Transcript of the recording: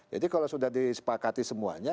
jadi kalau sudah disepakati semuanya